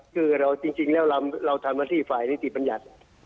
คือเราจริงแล้วเราทำหน้าที่ฝ่ายนิติบัญญัติ